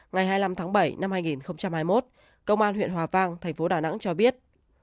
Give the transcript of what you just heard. ngày hai mươi năm tháng bảy năm hai nghìn hai mươi một công an huyện hòa vang thành phố đà nẵng cho biết